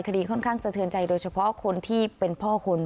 คดีค่อนข้างสะเทือนใจโดยเฉพาะคนที่เป็นพ่อคุณ